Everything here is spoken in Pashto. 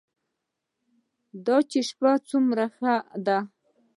دا چې شپه څومره ښه ده.